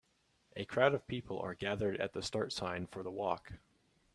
A crowd of people are gathered at the start sign for the walk.